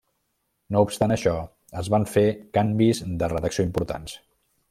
No obstant això, es van fer canvis de redacció importants.